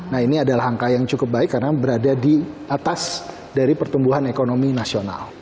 nah ini adalah angka yang cukup baik karena berada di atas dari pertumbuhan ekonomi nasional